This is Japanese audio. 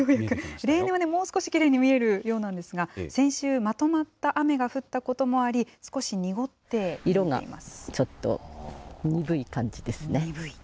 例年はもう少しきれいに見えるようなんですが、先週、まとまった雨が降ったこともあり、少し濁っています。